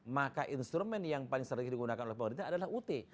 maka instrumen yang paling sering digunakan oleh pemerintah adalah ut